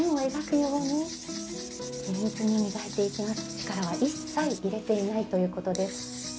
力は一切入れていないということです。